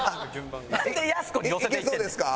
いけそうですか？